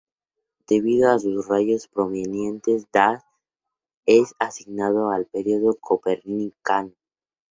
Debido a sus rayos prominentes, Das es asignado al Período Copernicano.